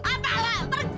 apa lu pergi